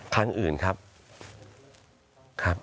ครั้งอื่นครับ